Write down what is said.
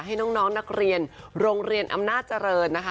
ให้น้องนักเรียนโรงเรียนอำนาจเจริญนะคะ